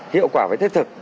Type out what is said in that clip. hiệu quả và thiết thực